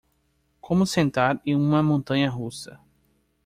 Como sentar em uma montanha russa